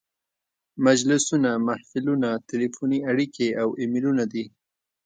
مجلسونه، محفلونه، تلیفوني اړیکې او ایمیلونه دي.